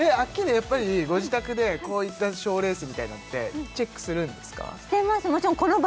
やっぱりご自宅でこういったショーレースみたいなのってチェックするんですか？